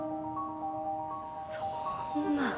そんな。